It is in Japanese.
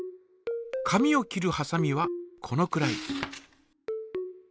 紙を切るはさみはこのくらい。